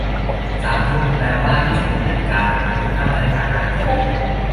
สามทุ่ม แปลว่ายี่สิบเอ็ดนาฬิกา หรือเก้านาฬิกากลางคืน